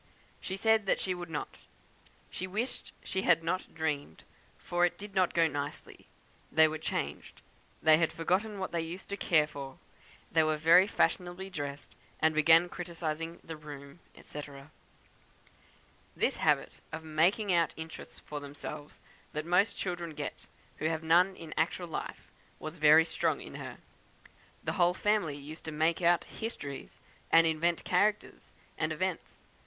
She said she would not; she wished she had not dreamed, for it did not go on nicely, they were changed; they had forgotten what they used to care for. They were very fashionably dressed, and began criticising the room, &c. "This habit of 'making out' interests for themselves that most children get who have none in actual life, was very strong in her. The whole family used to 'make out' histories, and invent characters and events.